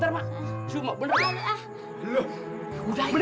aku belot banget nih